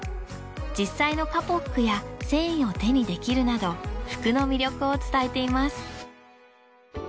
実際のカポックや繊維を手にできるなど服の魅力を伝えています。